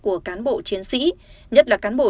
của cán bộ chiến sĩ nhất là cán bộ